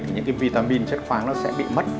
những cái vitamin chất khoáng nó sẽ bị mất